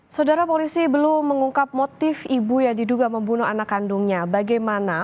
saudara polisi belum mengungkap motif ibu yang diduga membunuh anak kandungnya bagaimana